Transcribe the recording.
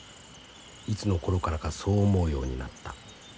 いつの頃からかそう思うようになった。